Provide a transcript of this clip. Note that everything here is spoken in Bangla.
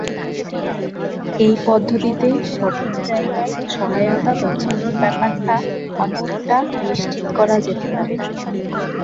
এই পদ্ধতিতে সঠিক জায়গায় সহায়তা পৌঁছানোর ব্যাপারটা অনেকটা নিশ্চিত করা যেতে পারে।